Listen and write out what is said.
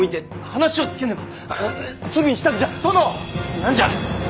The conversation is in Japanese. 何じゃ。